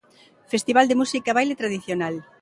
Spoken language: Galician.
Festival de música e baile tradicional.